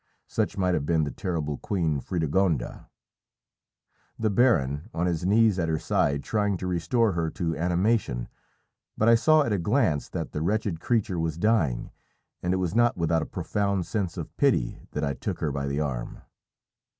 Such might have been the terrible Queen Frédégonde. The baron, on his knees at her side, was trying to restore her to animation; but I saw at a glance that the wretched creature was dying, and it was not without a profound sense of pity that I took her by the arm.